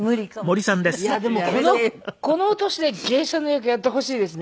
いやでもこのお年で芸者の役やってほしいですね